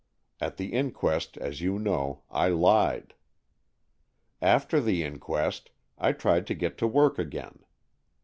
At the inquest, as you know, I lied. "After the inquest, I tried to get to work again.